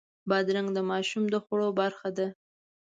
بادرنګ د ماشوم د خوړو برخه ده.